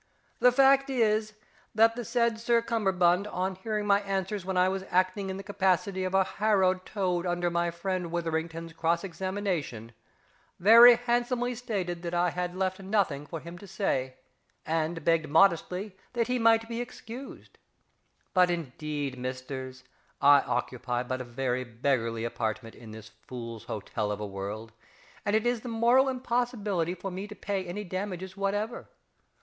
The fact is, that the said Sir CUMMERBUND, on hearing my answers when I was acting in the capacity of a harrowed toad under my friend WITHERINGTON'S cross examination, very handsomely stated that I had left nothing for him to say, and begged modestly that he might be excused. But indeed, Misters, I occupy but a very beggarly apartment in this Fools' Hotel of a world, and it is the moral impossibility for me to pay any damages whatever!